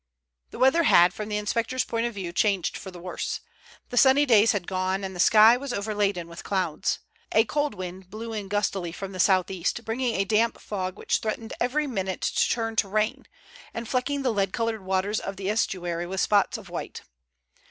The weather had, from the inspector's point of view, changed for the worse. The sunny days had gone, and the sky was overladen with clouds. A cold wind blew in gustily from the south east, bringing a damp fog which threatened every minute to turn to rain, and flecking the lead colored waters of the estuary with spots of white.